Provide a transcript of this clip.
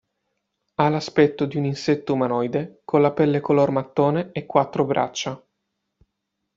Ha l'aspetto di un insetto umanoide con la pelle color mattone e quattro braccia.